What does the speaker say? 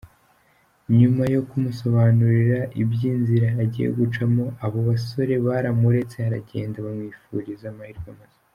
Nyuma yo kumusonaburira iby'inzira agiye gucamo, abo basore baramuretse aragenda, bamwifuriza amahirwe masa.